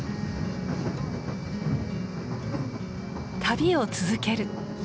旅を続ける。